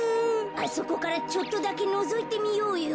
あそこからちょっとだけのぞいてみようよ。